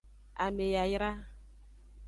Ame yayra.